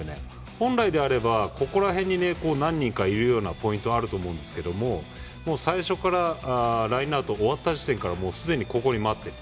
本来であれば、ここら辺に何人かいるようなポイントがあると思うんですけども最初からラインアウトが終わった時点からすでにここに待っている。